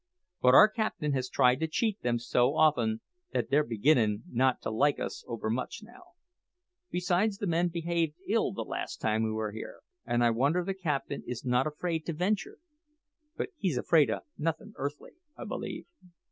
But our captain has tried to cheat them so often that they're beginnin' not to like us overmuch now. Besides, the men behaved ill the last time we were here, and I wonder the captain is not afraid to venture. But he's afraid o' nothin' earthly, I believe."